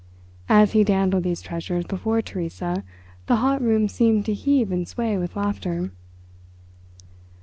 As he dandled these treasures before Theresa the hot room seemed to heave and sway with laughter.